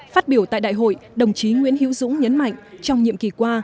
phát biểu tại đại hội đồng chí nguyễn hiễu dũng nhấn mạnh trong nhiệm kỳ qua